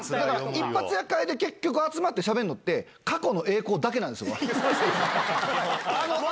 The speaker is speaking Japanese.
一発屋会で、結局集まってしゃべるのって、過去の栄光だけなんですよ。